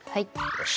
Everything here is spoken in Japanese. よし。